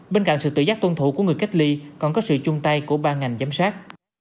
bên cạnh sự tự giác tuân thủ của người cách ly còn có sự chung tay của ba ngành giám sát